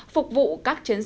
phục vụ các trường hợp